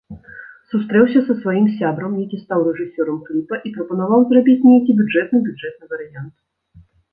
Сустрэўся са сваім сябрам, які стаў рэжысёрам кліпа, і прапанаваў зрабіць нейкі бюджэтны-бюджэтны варыянт.